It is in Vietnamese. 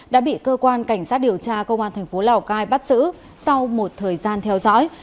đã bị cơ quan cảnh sát điều tra công an thành phố lào cai bắt giữ sau một thời gian theo dõi